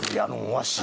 わし。